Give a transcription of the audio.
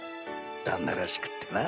旦那らしくってな。